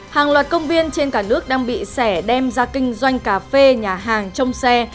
hàng loạt công viên trên cả nước đang bị xẻ đem ra kinh doanh cà phê nhà hàng trông xe